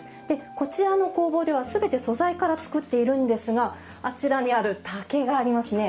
こちらの工房では全て素材から作っているんですがあちらにある竹がありますね。